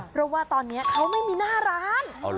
เพราะว่าตอนนี้เขาไม่มีหน้าร้าน